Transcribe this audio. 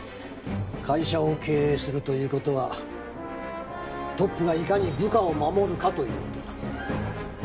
会社を経営するという事はトップがいかに部下を守るかという事だ。